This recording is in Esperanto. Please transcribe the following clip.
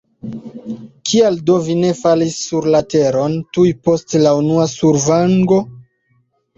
Kial do vi ne falis sur la teron tuj post la unua survango?